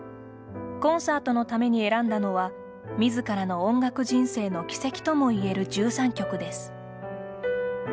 コンサートのために選んだのはみずからの音楽人生の軌跡ともいえる１３曲です。